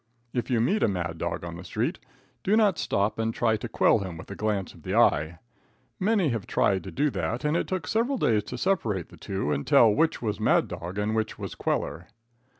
If you meet a mad dog on the street, do not stop and try to quell him with a glance of the eye. Many have tried to do that, and it took several days to separate the two and tell which was mad dog and which was queller.